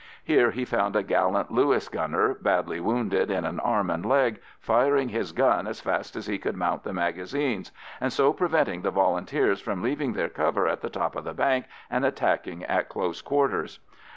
Here he found a gallant Lewis gunner, badly wounded in an arm and leg, firing his gun as fast as he could mount the magazines, and so preventing the Volunteers from leaving their cover at the top of the bank and attacking at close quarters.